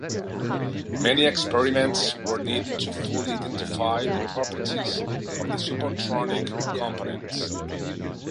Many experiments were needed to fully identify the properties of the subprotonic components.